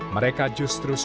mereka justru sukarela